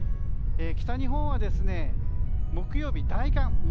北日本は木曜日、大寒。